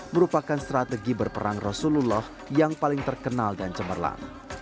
merupakan strategi berperang rasulullah yang paling terkenal dan cemerlang